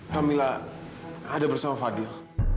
kamila ada bersama fadil